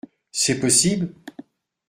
C’est possible ?